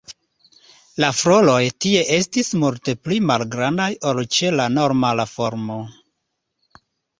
La floroj tie estis multe pli malgrandaj ol ĉe la normala formo.